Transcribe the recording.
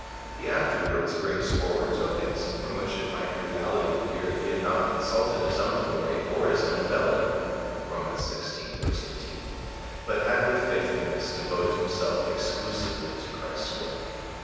He afterwards brings forward tokens, from which it might in reality appear that he had not consulted his own glory, or his own belly (Rom. xvi. 18), but had with faithfulness devoted himself exclusively to Christ's work.